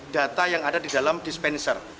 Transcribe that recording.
data yang ada di dalam dispenser